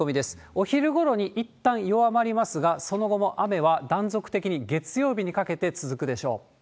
お昼ごろにいったん弱まりますが、その後も雨は断続的に、月曜日にかけて続くでしょう。